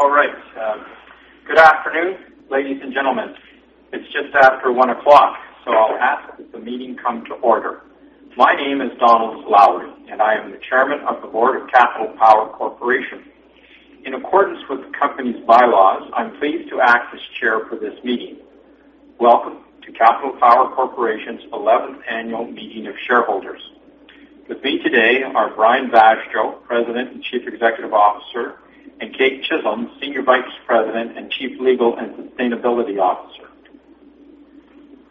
All right. Good afternoon, ladies and gentlemen. It's just after 1:00 P.M., so I'll ask that the meeting come to order. My name is Donald Lowry, and I am the Chairman of the Board of Capital Power Corporation. In accordance with the company's bylaws, I'm pleased to act as chair for this meeting. Welcome to Capital Power Corporation's 11th annual meeting of shareholders. With me today are Brian Vaasjo, President and Chief Executive Officer, and Kate Chisholm, Senior Vice President and Chief Legal and Sustainability Officer.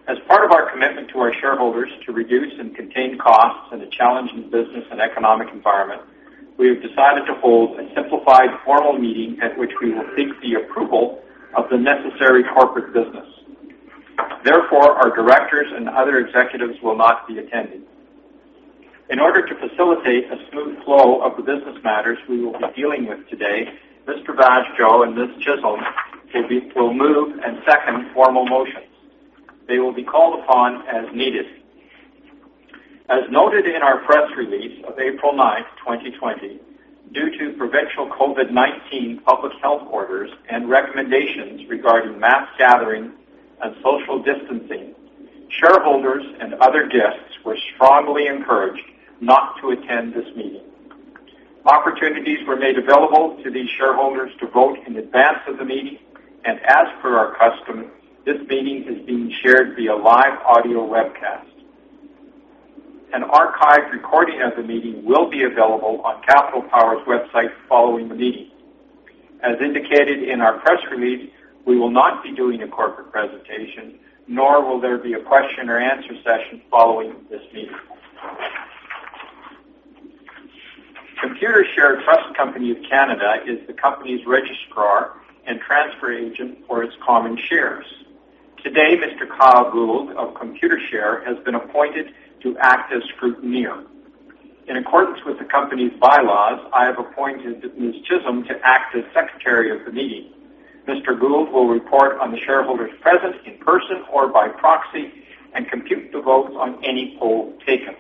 As part of our commitment to our shareholders to reduce and contain costs in a challenging business and economic environment, we have decided to hold a simplified formal meeting at which we will seek the approval of the necessary corporate business. Therefore, our directors and other executives will not be attending. In order to facilitate a smooth flow of the business matters we will be dealing with today, Mr. Vaasjo and Ms. Chisholm will move and second formal motions. They will be called upon as needed. As noted in our press release of April 9th, 2020, due to provincial COVID-19 public health orders and recommendations regarding mass gathering and social distancing, shareholders and other guests were strongly encouraged not to attend this meeting. Opportunities were made available to these shareholders to vote in advance of the meeting, and as per our custom, this meeting is being shared via live audio webcast. An archived recording of the meeting will be available on Capital Power's website following the meeting. As indicated in our press release, we will not be doing a corporate presentation, nor will there be a question or answer session following this meeting. Computershare Trust Company of Canada is the company's registrar and transfer agent for its common shares. Today, Mr. Kyle Gould of Computershare has been appointed to act as scrutineer. In accordance with the company's bylaws, I have appointed Ms. Chisholm to act as secretary of the meeting. Mr. Gould will report on the shareholders present in person or by proxy and compute the votes on any poll taken.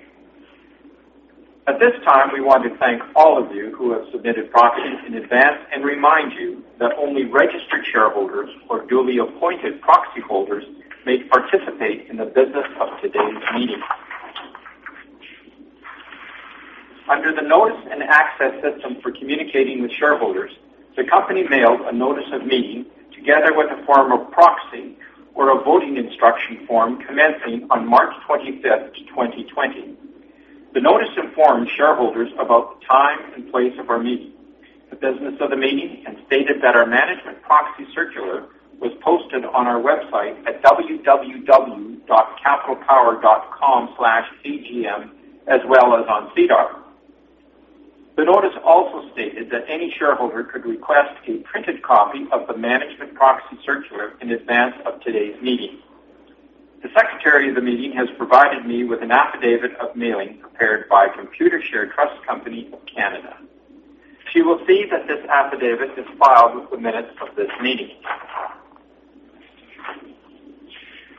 At this time, we want to thank all of you who have submitted proxies in advance and remind you that only registered shareholders or duly appointed proxy holders may participate in the business of today's meeting. Under the notice and access system for communicating with shareholders, the company mailed a notice of meeting together with a form of proxy or a voting instruction form commencing on March 25th, 2020. The notice informed shareholders about the time and place of our meeting, the business of the meeting, and stated that our management proxy circular was posted on our website at www.capitalpower.com/cgm, as well as on SEDAR. The notice also stated that any shareholder could request a printed copy of the management proxy circular in advance of today's meeting. The secretary of the meeting has provided me with an affidavit of mailing prepared by Computershare Trust Company of Canada. She will see that this affidavit is filed with the minutes of this meeting.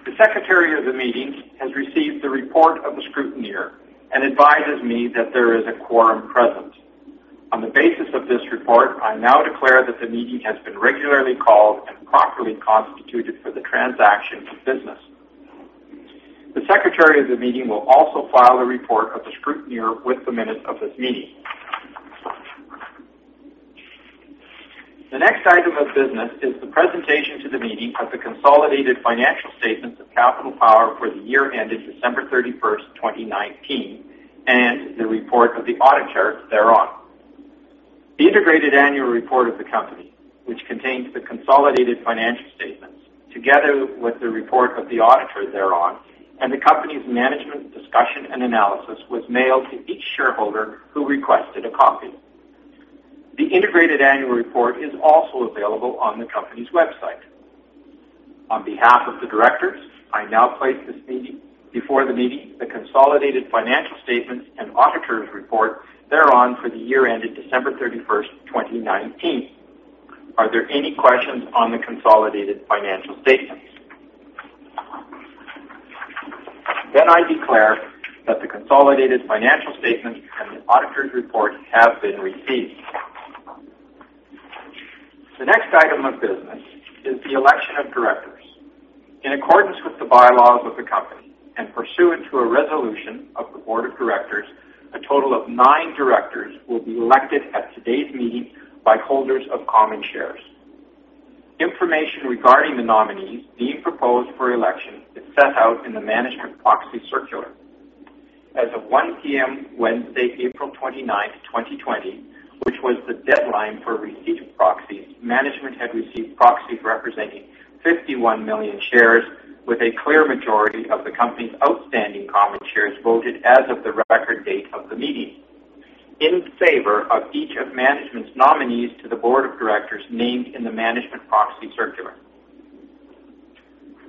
The secretary of the meeting has received the report of the scrutineer and advises me that there is a quorum present. On the basis of this report, I now declare that the meeting has been regularly called and properly constituted for the transaction of business. The secretary of the meeting will also file a report of the scrutineer with the minutes of this meeting. The next item of business is the presentation to the meeting of the consolidated financial statements of Capital Power for the year ended December 31st, 2019, and the report of the auditor thereon. The integrated annual report of the company, which contains the consolidated financial statements together with the report of the auditor thereon and the company's management discussion and analysis, was mailed to each shareholder who requested a copy. The integrated annual report is also available on the company's website. On behalf of the directors, I now place before the meeting the consolidated financial statements and auditor's report thereon for the year ended December 31st, 2019. Are there any questions on the consolidated financial statements? I declare that the consolidated financial statements and the auditor's report have been received. The next item of business is the election of directors. In accordance with the bylaws of the company and pursuant to a resolution of the board of directors, a total of nine directors will be elected at today's meeting by holders of common shares. Information regarding the nominees being proposed for election is set out in the management proxy circular. As of 1:00 P.M. Wednesday, April 29th, 2020, which was the deadline for receipt of proxies, management had received proxies representing 51 million shares with a clear majority of the company's outstanding common shares voted as of the record date of the meeting in favor of each of management's nominees to the board of directors named in the management proxy circular.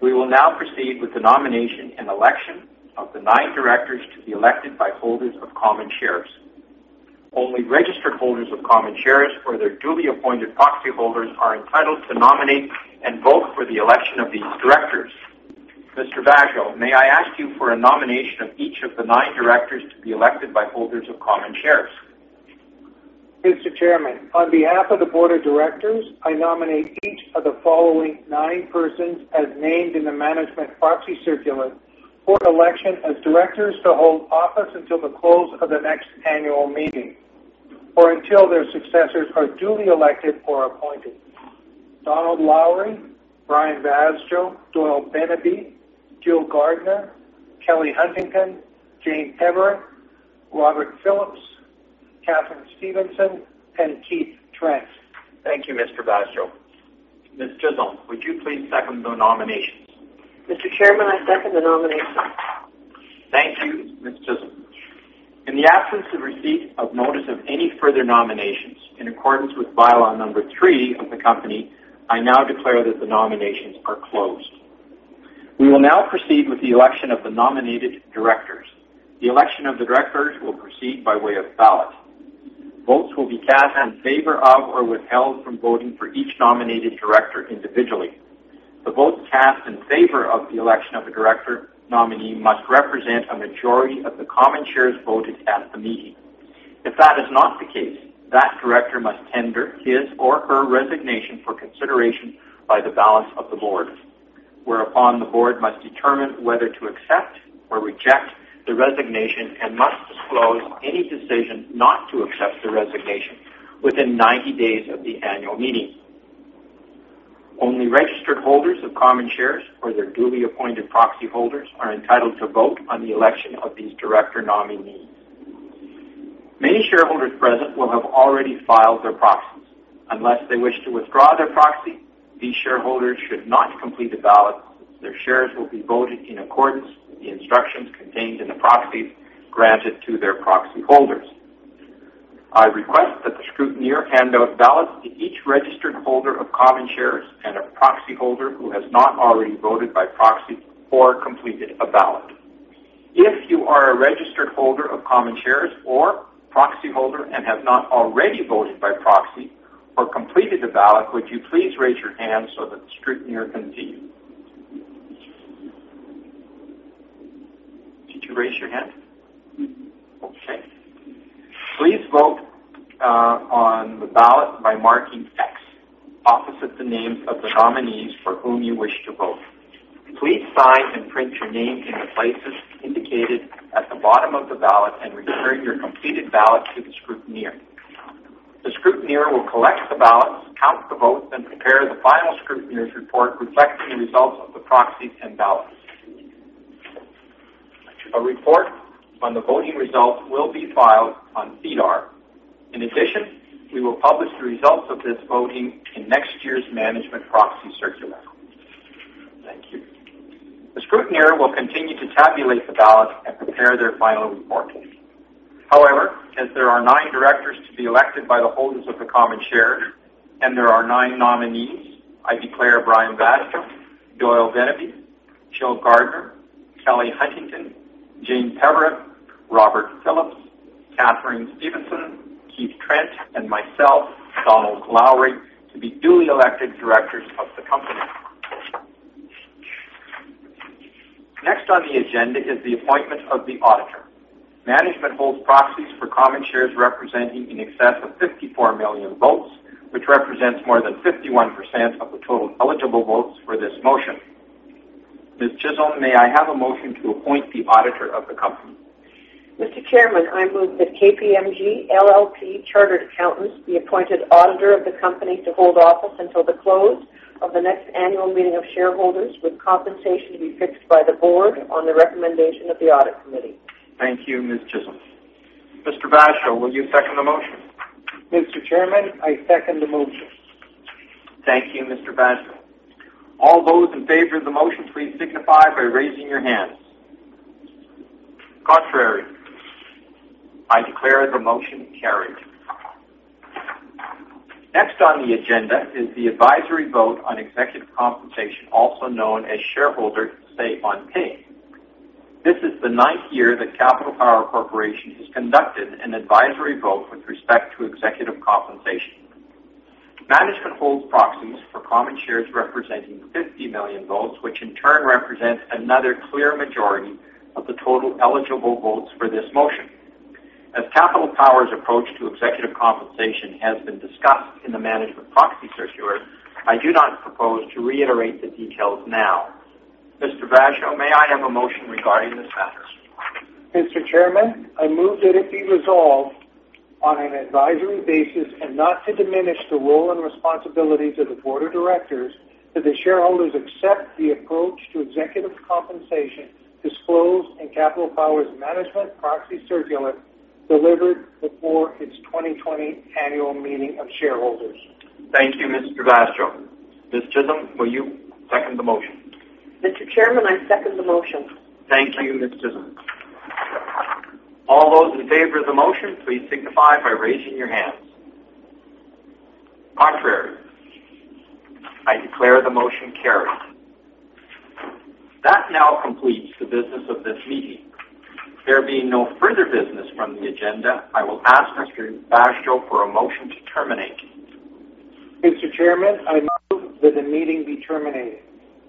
We will now proceed with the nomination and election of the nine directors to be elected by holders of common shares. Only registered holders of common shares or their duly appointed proxy holders are entitled to nominate and vote for the election of these directors. Mr. Vaasjo, may I ask you for a nomination of each of the nine directors to be elected by holders of common shares? Mr. Chairman, on behalf of the board of directors, I nominate each of the following nine persons as named in the management proxy circular for election as directors to hold office until the close of the next annual meeting or until their successors are duly elected or appointed. Donald Lowry, Brian Vaasjo, Doyle Beneby, Jill Gardiner, Kelly Huntington, Jane Peverett, Robert Phillips, Katharine Stevenson, and Keith Trent. Thank you, Mr. Vaasjo. Ms. Chisholm, would you please second the nominations? Mr. Chairman, I second the nominations. Thank you, Ms. Chisholm. In the absence of receipt of notice of any further nominations, in accordance with bylaw number three of the company, I now declare that the nominations are closed. We will now proceed with the election of the nominated directors. The election of the directors will proceed by way of ballot. Votes will be cast in favor of or withheld from voting for each nominated director individually. The votes cast in favor of the election of the director nominee must represent a majority of the common shares voted at the meeting. If that is not the case, that director must tender his or her resignation for consideration by the balance of the board. Whereupon the board must determine whether to accept or reject the resignation and must disclose any decision not to accept the resignation within 90 days of the annual meeting. Only registered holders of common shares or their duly appointed proxy holders are entitled to vote on the election of these director nominees. Many shareholders present will have already filed their proxies. Unless they wish to withdraw their proxy, these shareholders should not complete the ballot. Their shares will be voted in accordance with the instructions contained in the proxies granted to their proxy holders. I request that the scrutineer hand out ballots to each registered holder of common shares and a proxy holder who has not already voted by proxy or completed a ballot. If you are a registered holder of common shares or proxy holder and have not already voted by proxy or completed the ballot, would you please raise your hand so that the scrutineer can see you. Did you raise your hand? Okay. Please vote on the ballot by marking X opposite the names of the nominees for whom you wish to vote. Please sign and print your name in the places indicated at the bottom of the ballot and return your completed ballot to the scrutineer. The scrutineer will collect the ballots, count the votes, and prepare the final scrutineer's report reflecting the results of the proxy and ballots. A report on the voting results will be filed on SEDAR. In addition, we will publish the results of this voting in next year's management proxy circular. Thank you. The scrutineer will continue to tabulate the ballots and prepare their final report. As there are nine directors to be elected by the holders of the common shares and there are nine nominees, I declare Brian Vaasjo, Doyle Beneby, Jill Gardiner, Kelly Huntington, Jane Peverett, Robert Phillips, Katharine Stevenson, Keith Trent, and myself, Donald Lowry, to be duly elected directors of the company. Next on the agenda is the appointment of the auditor. Management holds proxies for common shares representing in excess of 54 million votes, which represents more than 51% of the total eligible votes for this motion. Ms. Chisholm, may I have a motion to appoint the auditor of the company? Mr. Chairman, I move that KPMG LLP Chartered Accountants be appointed auditor of the company to hold office until the close of the next annual meeting of shareholders with compensation to be fixed by the board on the recommendation of the audit committee. Thank you, Ms. Chisholm. Mr. Vaasjo, will you second the motion? Mr. Chairman, I second the motion. Thank you, Mr. Vaasjo. All those in favor of the motion, please signify by raising your hands. Contrary. I declare the motion carried. Next on the agenda is the advisory vote on executive compensation, also known as Shareholder Say on Pay. This is the 9th year that Capital Power Corporation has conducted an advisory vote with respect to executive compensation. Management holds proxies for common shares representing 50 million votes, which in turn represents another clear majority of the total eligible votes for this motion. As Capital Power's approach to executive compensation has been discussed in the management proxy circular, I do not propose to reiterate the details now. Mr. Vaasjo, may I have a motion regarding this matter? Mr. Chairman, I move that it be resolved on an advisory basis and not to diminish the role and responsibilities of the board of directors, that the shareholders accept the approach to executive compensation disclosed in Capital Power's management proxy circular delivered before its 2020 annual meeting of shareholders. Thank you, Mr. Vaasjo. Ms. Chisholm, will you second the motion? Mr. Chairman, I second the motion. Thank you, Ms. Chisholm. All those in favor of the motion, please signify by raising your hands. Contrary. I declare the motion carried. That now completes the business of this meeting. There being no further business from the agenda, I will ask Mr. Vaasjo for a motion to terminate. Mr. Chairman, I move that the meeting be terminated.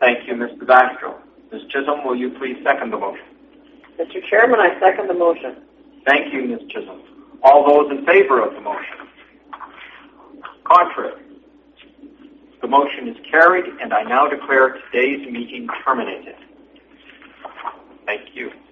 Thank you, Mr. Vaasjo. Ms. Chisholm, will you please second the motion? Mr. Chairman, I second the motion. Thank you, Ms. Chisholm. All those in favor of the motion? Contrary. The motion is carried, and I now declare today's meeting terminated. Thank you